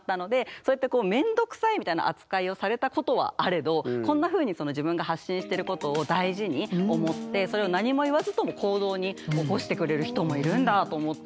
そうやって面倒くさいみたいな扱いをされたことはあれどこんなふうにそれを何も言わずとも行動に起こしてくれる人もいるんだと思って。